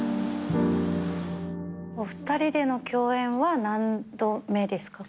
お二人での共演は何度目ですか？